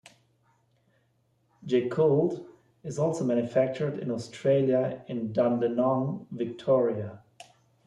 Yakult is also manufactured in Australia in Dandenong, Victoria.